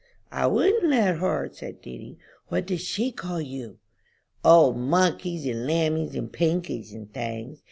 "I wouldn't let her," said Dedy. "What did she call you?" "O, monkeys, and lammies, and pinkies, and things.